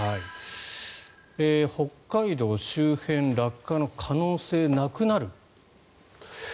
北海道周辺落下の可能性なくなる。